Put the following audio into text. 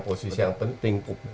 posisi yang penting